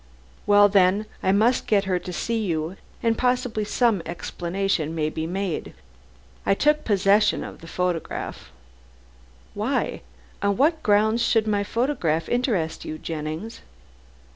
"Well, then, I must get her to see you, and possibly some explanation may be made. I took possession of the photograph " "Why? On what grounds should my photograph interest you, Jennings?"